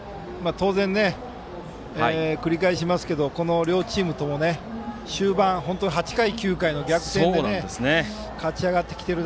繰り返しますけど両チームとも終盤の８回、９回の逆転で勝ち上がってきています。